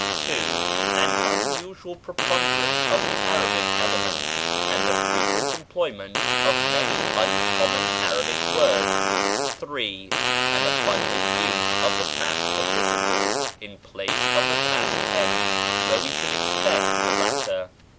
(2) An unusual preponderance of the Arabic element, and the frequent employment of many uncommon Arabic words. (3) An abundant use of the past participle in place of the past tense where we should expect the latter.